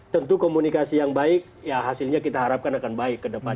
tentu komunikasi yang baik ya hasilnya kita harapkan akan baik ke depan